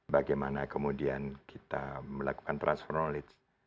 bagaimana kemudian kita melakukan transf knowledge